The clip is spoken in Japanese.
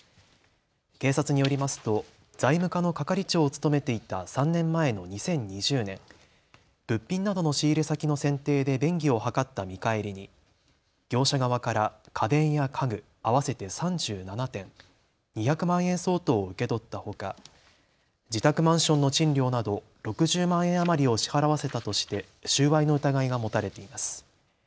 警察によりますと財務課の係長を務めていた３年前の２０２０年、物品などの仕入れ先の選定で便宜を図った見返りに業者側から家電や家具合わせて３７点、２００万円相当を受け取ったほか自宅マンションの賃料など６０万円余りを支払わせたとして収賄の疑いが持たれています。